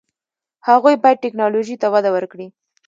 هغوی باید ټیکنالوژي ته وده ورکړي.